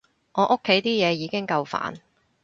我屋企啲嘢已經夠煩